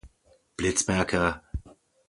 Blitzmerker!